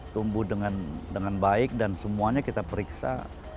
tumbuh dengan baik dan semuanya kita periksa